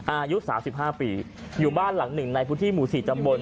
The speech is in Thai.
อายุ๓๕ปีอยู่บ้านหลังหนึ่งในพื้นที่หมู่๔ตำบล